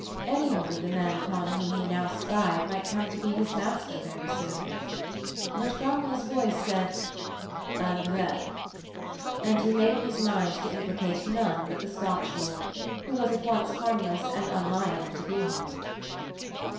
Any one of the men upon whom he now spied might come to be his master very soon. But Cromwell's voice said, 'And then?' and he made up his mind to implicate none but the Scotch lord, who was at once harmless and unliable to be harmed.